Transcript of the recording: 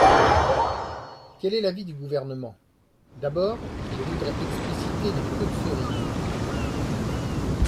Quel est l’avis du Gouvernement ? D’abord, je voudrais expliciter les queues de cerises.